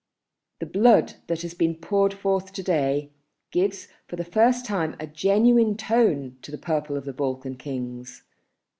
. The blood that has been poured forth to day gives for the first time a genuine tone to the purple of the Balkan Kings.